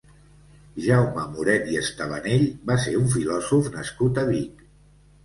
Jaume Moret i Estevanell va ser un filòsof nascut a Vic.